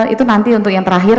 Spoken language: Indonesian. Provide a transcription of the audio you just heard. itu nanti untuk yang terakhir